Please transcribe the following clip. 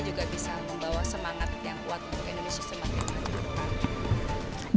juga bisa membawa semangat yang kuat untuk indonesia semakin